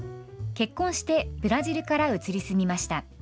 結婚してブラジルから移り住みました。